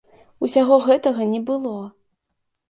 Усяго гэтага не было!